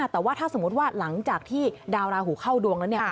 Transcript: แต่ว่าถ้าสมมุติว่าหลังจากที่ดาวราหูเข้าดวงแล้ว